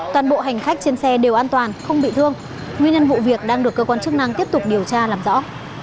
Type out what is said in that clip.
toàn bộ hành khách trên xe đều an toàn không bị thương nguyên nhân vụ việc đang được cơ quan chức năng tiếp tục điều tra làm rõ